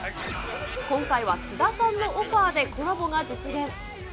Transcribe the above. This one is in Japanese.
今回は菅田さんのオファーでコラボが実現。